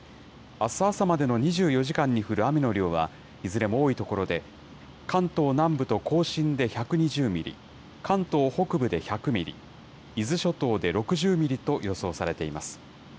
あす朝までの２４時間に降る雨の量は、いずれも多い所で、関東南部と甲信で１２０ミリ、関東北部で１００ミリ、伊豆諸島で６０ミリと予想されています。